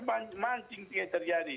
mancing mancing yang terjadi